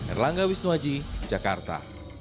erlangga wisnuaji jakarta